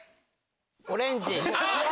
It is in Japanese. オレンジ！